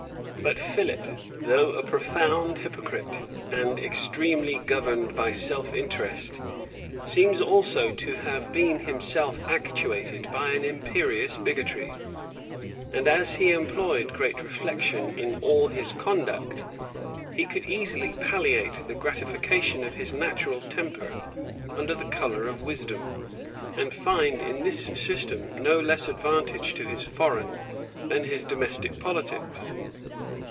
But Philip, though a profound hypocrite, and extremely governed by self interest seems also to have been himself actuated by an imperious bigotry; and as he employed great reflection in all his conduct, he could easily palliate the gratification of his natural temper under the color of wisdom, and find in this system no less advantage to his foreign than his domestic politics.